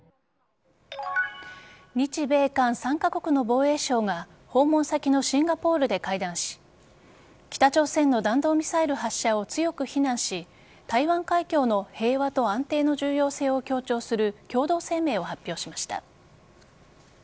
日米韓３カ国の防衛相が訪問先のシンガポールで会談し北朝鮮の弾道ミサイル発射を強く非難し台湾海峡の平和と安定の重要性を強調する共同声明を発表しました。